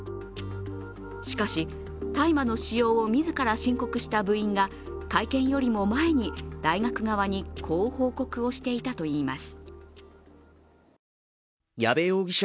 しかし、大麻の使用を自ら申告した部員が会見よりも前に大学側にこう報告をしていたといいます。